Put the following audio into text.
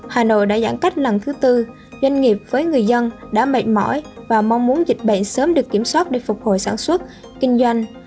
hà nội đã giãn cách lần thứ tư doanh nghiệp với người dân đã mệt mỏi và mong muốn dịch bệnh sớm được kiểm soát để phục hồi sản xuất kinh doanh